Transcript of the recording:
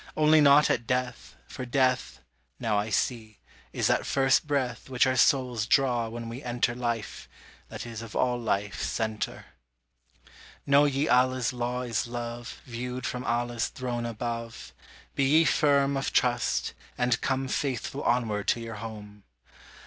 Only not at death, for death Now I see is that first breath Which our souls draw when we enter Life, that is of all life center. Know ye Allah's law is love, Viewed from Allah's Throne above; Be ye firm of trust, and come Faithful onward to your home!